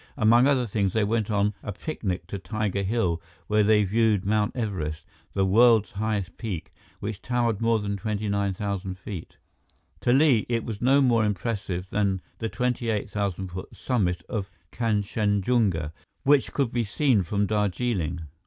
Among other things, they went on a picnic to Tiger Hill, where they viewed Mt. Everest, the world's highest peak, which towered more than 29,000 feet. To Li, it was no more impressive than the 28,000 foot summit of Kanchenjunga, which could be seen from Darjeeling.